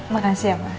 makasih ya pak